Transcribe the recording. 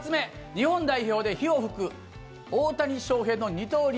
日本代表で火を噴く大谷翔平の二刀流。